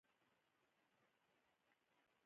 زه نن ښوونځي ته ځم